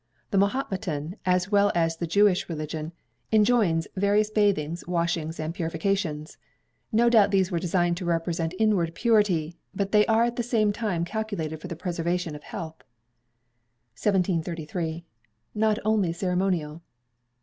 The Mahometan, as well as the Jewish religion, enjoins various bathings, washings, and purifications. No doubt these were designed to represent inward purity; but they are at the same time calculated for the preservation of health. 1733. Not Only Ceremonial.